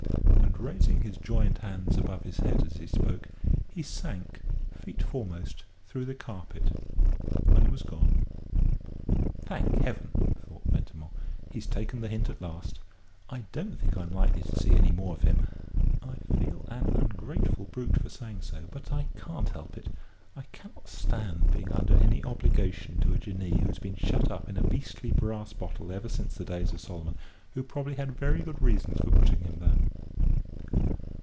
And, raising his joined hands above his head as he spoke, he sank, feet foremost, through the carpet and was gone. "Thank Heaven," thought Ventimore, "he's taken the hint at last. I don't think I'm likely to see any more of him. I feel an ungrateful brute for saying so, but I can't help it. I can not stand being under any obligation to a Jinnee who's been shut up in a beastly brass bottle ever since the days of Solomon, who probably had very good reasons for putting him there."